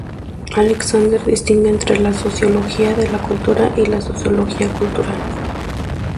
Alexander distingue entre la sociología de la cultura y la sociología cultural.